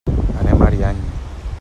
Anem a Ariany.